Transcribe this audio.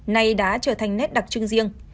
nay đã trở thành nét đặc trưng riêng